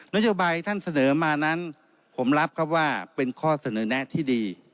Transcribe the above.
นโยบายท่านเสนอมานั้นผมรับครับว่าเป็นข้อเสนอแนะที่ดี